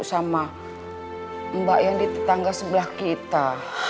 sama mbak yang di tetangga sebelah kita